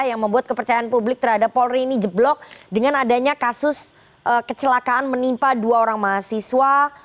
yang membuat kepercayaan publik terhadap polri ini jeblok dengan adanya kasus kecelakaan menimpa dua orang mahasiswa